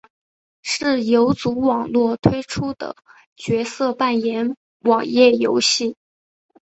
是游族网络推出的角色扮演网页游戏。